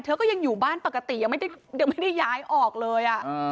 ก็ยังอยู่บ้านปกติยังไม่ได้ย้ายออกเลย